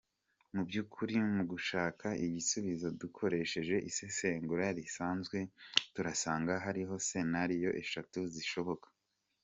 Mu by’ukuri mu gushaka igisubizo dukoresheje isesengura risanzwe turasanga hariho Senario eshatu zishoboka :